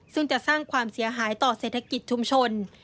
ซึ่งจะสร้างความเสียหายต่อเศรษฐกิจชุมชน